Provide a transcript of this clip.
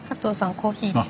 コーヒーです。